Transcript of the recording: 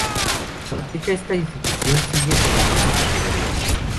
Hasta la fecha esta Institución sigue con la misma Categoría.